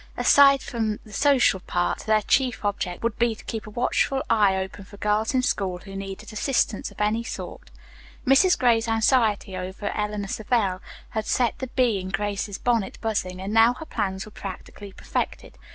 Aside from the social part, their chief object would be to keep a watchful eye open for girls in school who needed assistance of any sort. Mrs. Gray's anxiety over Eleanor Savell had set the bee in Grace's bonnet buzzing, and now her plans were practically perfected.